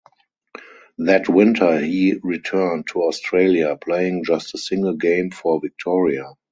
That winter he returned to Australia, playing just a single game for Victoria.